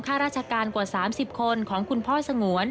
ค่าราชการกว่าสามสิบคนของคุณพ่อสงวน